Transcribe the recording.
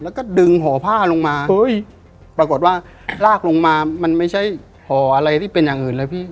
แล้วก็ดึงห่อผ้าลงมาปรากฏว่าลากลงมามันไม่ใช่ห่ออะไรที่เป็นอย่างอื่นเลยพี่